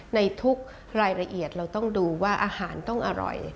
ในทุกรายละเอียดเราต้องดูว่าอาหารต้องอร่อย